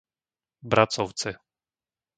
Bracovce